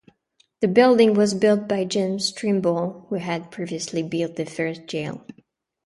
The building was built by James Trimble, who had previously built the first jail.